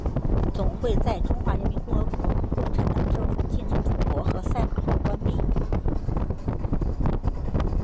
总会在中华人民共和国共产党政府禁止赌博和赛马后关闭。